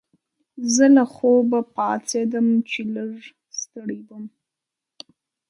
زه له خوبه پاڅیدم چې لږ ستړی وم.